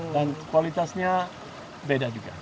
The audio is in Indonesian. dan kualitasnya beda juga